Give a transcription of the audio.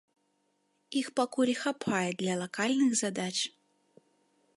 Іх пакуль хапае для лакальных задач.